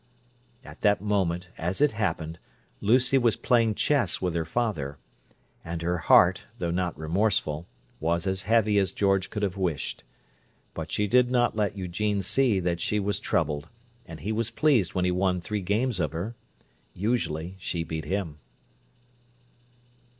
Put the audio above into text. At that moment, as it happened, Lucy was playing chess with her father; and her heart, though not remorseful, was as heavy as George could have wished. But she did not let Eugene see that she was troubled, and he was pleased when he won three games of her. Usually she beat him.